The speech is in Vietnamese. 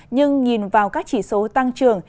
nhưng nhìn vào các chỉ số tăng trường